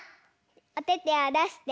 おててをだして。